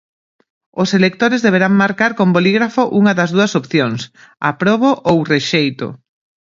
Os electores deberán marcar con bolígrafo unha das dúas opcións, "Aprobo" ou "Rexeito".